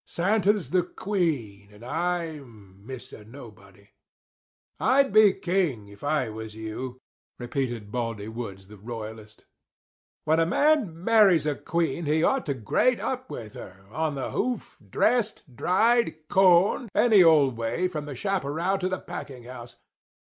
Santa's the 'queen'; and I'm Mr. Nobody." "I'd be king if I was you," repeated Baldy Woods, the royalist. "When a man marries a queen he ought to grade up with her—on the hoof— dressed—dried—corned—any old way from the chaparral to the packing house.